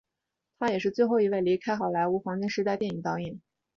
他也是最后一位离世的好莱坞黄金时代电影导演。